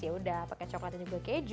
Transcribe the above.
ya udah pakai coklat dan juga keju